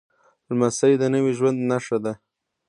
لمسی د نوي ژوند نښه ده.